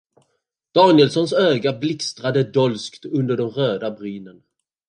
Danielssons ögon blixtrade dolskt under de röda brynen.